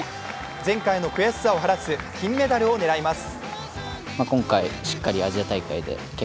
前回の悔しさを晴らす金メダルを狙います。